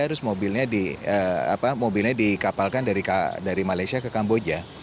harus mobilnya dikapalkan dari malaysia ke kamboja